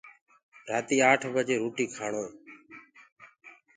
رآتي آٺ بجي روٽيٚ ڪآڻوئي